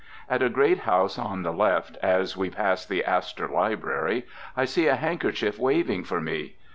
At a great house on the left, as we pass the Astor Library, I see a handkerchief waving for me.